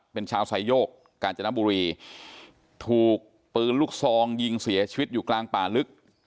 เป็นชาวไซโยกกาญจนบุรีถูกปืนลูกซองยิงเสียชีวิตอยู่กลางป่าลึก